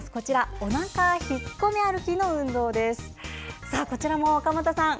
おなか引っこめ歩きの運動です。